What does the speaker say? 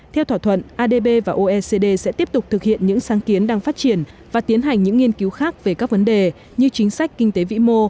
theo thỏa thuận adb và oecd sẽ tiếp tục thực hiện những sáng kiến đang phát triển và tiến hành những nghiên cứu khác về các vấn đề như chính sách kinh tế vĩ mô